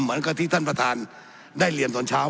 เหมือนกับที่ท่านประธานได้เรียนตอนเช้า